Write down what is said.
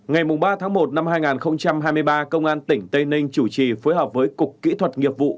ngày ba tháng một năm hai nghìn hai mươi ba công an tỉnh tây ninh chủ trì phối hợp với cục kỹ thuật nghiệp vụ